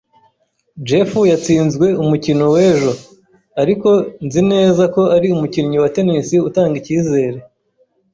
Jeff yatsinzwe umukino w'ejo, ariko nzi neza ko ari umukinnyi wa tennis utanga ikizere.